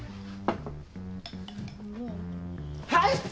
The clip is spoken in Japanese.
はい！